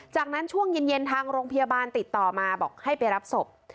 จากนั้นช่วงเย็นทางโรงพยาบาลติดต่อมาบอกให้ไปรับศพ